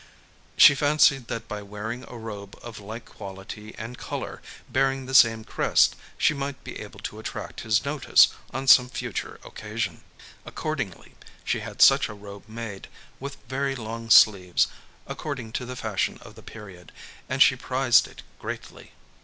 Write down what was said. She fancied that by wearing a robe of like quality and color, bearing the same crest, she might be able to attract his notice on some future occasion. Accordingly she had such a robe made, with very long sleeves, according to the fashion of the period; and she prized it greatly.